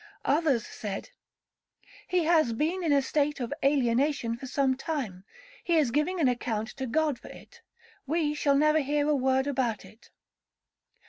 Others said, 'He has been in a state of alienation for some time, he is giving an account to God for it,—we shall never hear a word about it.'